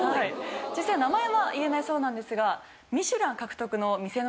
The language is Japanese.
実際名前は言えないそうなんですが。